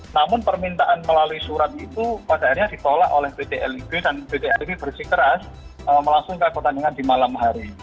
namun permintaan melalui surat itu pada akhirnya ditolak oleh pt lib dan pt lib bersikeras melangsungkan pertandingan di malam hari